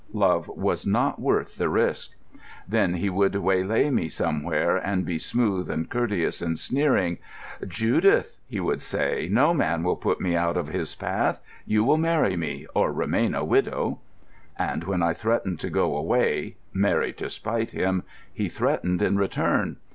Love was not worth the risk! Then he would waylay me somewhere, and be smooth, and courteous, and sneering. 'Judith,' he would say, 'no man will put me out of his path. You will marry me—or remain a widow.' And when I threatened to go away—marry, to spite him—he threatened in return.